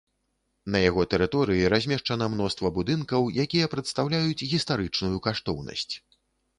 На яго тэрыторыі размешчана мноства будынкаў, якія прадстаўляюць гістарычную каштоўнасць.